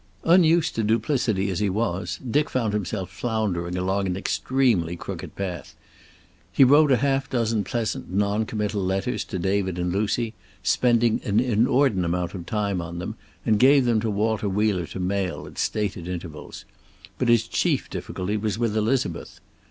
Unused to duplicity as he was, Dick found himself floundering along an extremely crooked path. He wrote a half dozen pleasant, non committal letters to David and Lucy, spending an inordinate time on them, and gave them to Walter Wheeler to mail at stated intervals. But his chief difficulty was with Elizabeth.